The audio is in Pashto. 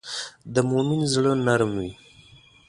د مؤمن زړه نرم وي.